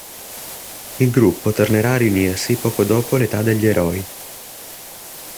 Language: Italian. Il gruppo tornerà a riunirsi poco dopo l'età degli eroi.